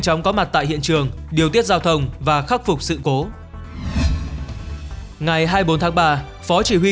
chóng có mặt tại hiện trường điều tiết giao thông và khắc phục sự cố ngày hai mươi bốn tháng ba phó chỉ huy